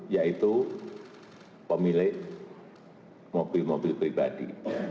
yaitu pemilik mobil mobil pribadi